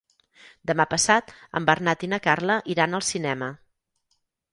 Demà passat en Bernat i na Carla iran al cinema.